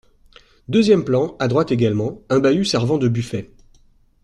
Deuxième plan, à droite également ; un bahut servant de buffet.